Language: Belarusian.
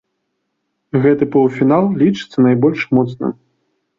Гэты паўфінал лічыцца найбольш моцным.